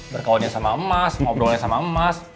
berkawannya sama emas ngobrolnya sama emas